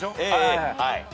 はい？